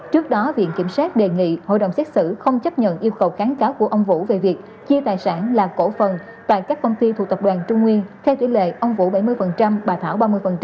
trước đó viện kiểm sát đề nghị hội đồng xét xử không chấp nhận yêu cầu kháng cáo của ông vũ về việc chia tài sản là cổ phần tại các công ty thuộc tập đoàn trung nguyên theo tỷ lệ ông vũ bảy mươi bà thảo ba mươi